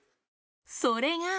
それが。